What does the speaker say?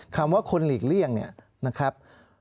คำว่าคนหลีกเลี่ยงนะครับ